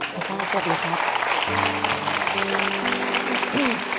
ครับคุณลุงครับสวัสดีครับ